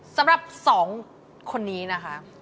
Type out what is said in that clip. สำหรับ๒คนนี้นะคะ